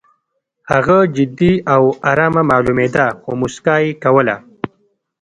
هغه جدي او ارامه معلومېده خو موسکا یې کوله